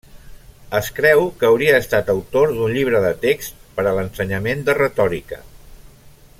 Es creu que hauria estat autor d'un llibre de text per a l'ensenyament de retòrica.